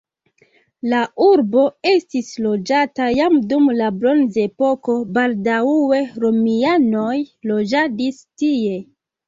La urbo estis loĝata jam dum la bronzepoko, baldaŭe romianoj loĝadis tie.